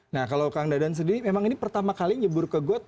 nah kalau kang dadan sendiri memang ini pertama kali nyebur ke got